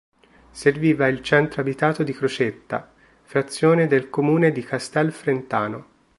Serviva il centro abitato di Crocetta, frazione del comune di Castel Frentano.